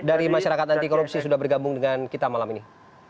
dari masyarakat anti korupsi sudah bergabung dengan kita malam ini